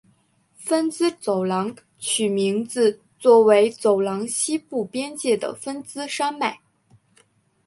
芬兹走廊取名自作为走廊西部边界的芬兹山脉。